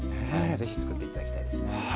ぜひ作って頂きたいですね。